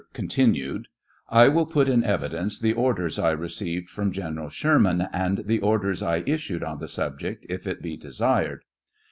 (Continued.) I will put in evidence the orders I received from General Sherman, and the orders I issued on the subject, if it be desired.